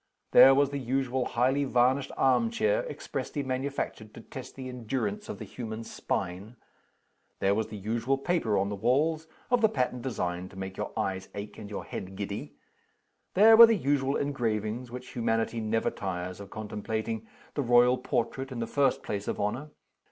There was the usual highly varnished arm chair, expressly manufactured to test the endurance of the human spine. There was the usual paper on the walls, of the pattern designed to make your eyes ache and your head giddy. There were the usual engravings, which humanity never tires of contemplating. The Royal Portrait, in the first place of honor.